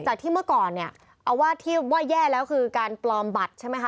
ที่เมื่อก่อนเนี่ยเอาว่าที่ว่าแย่แล้วคือการปลอมบัตรใช่ไหมคะ